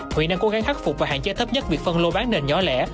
huyện đang cố gắng khắc phục và hạn chế thấp nhất việc phân lô bán nền nhỏ lẻ